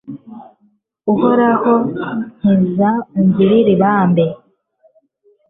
uhoraho, nkiza, ungirire ibambe